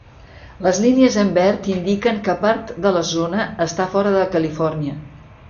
Les línies en verd indiquen que part de la zona està fora de Califòrnia.